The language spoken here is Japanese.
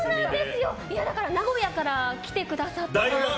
だから名古屋から来てくださった。